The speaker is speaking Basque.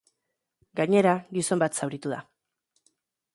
Gainera, gizon bat zauritu da.